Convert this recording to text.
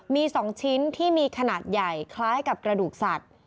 มี๒ชิ้นที่มีขนาดใหญ่คล้ายกับกระดูกสัตว์